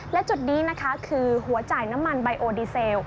และจุดนี้นะคะคือหัวจ่ายน้ำมันไบโอดีเซล